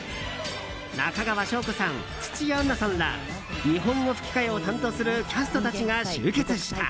中川翔子さん、土屋アンナさんら日本語吹き替えを担当するキャストたちが集結した。